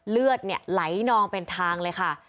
เลือดไหลนองเป็นทางเลยค่ะ